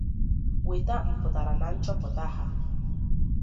weta mpụtara na nchọpụta ha